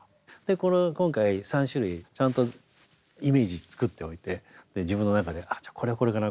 これを今回３種類ちゃんとイメージ作っておいて自分の中で「じゃあこれはこれかな。